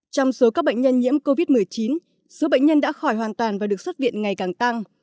trong số các bệnh nhân nhiễm covid một mươi chín số bệnh nhân đã khỏi hoàn toàn và được xuất viện ngày càng tăng